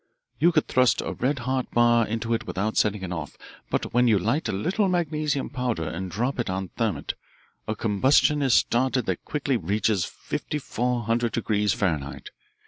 You could thrust a red hot bar into it without setting it off, but when you light a little magnesium powder and drop it on thermit, a combustion is started that quickly reaches fifty four hundred degrees Fahrenheit.